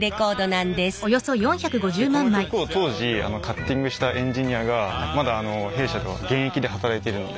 でこの曲を当時カッティングしたエンジニアがまだ弊社では現役で働いているので。